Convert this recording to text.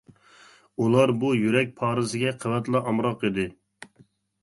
ئۇلار بۇ يۈرەك پارىسىگە قەۋەتلا ئامراق ئىدى.